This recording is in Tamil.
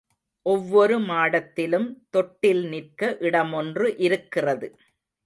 ஒவ்வொரு மாடத்திலும் தொட்டில் நிற்க இடமொன்று இருக்கிறது.